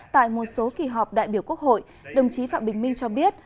tại một số kỳ họp đại biểu quốc hội đồng chí phạm bình minh cho biết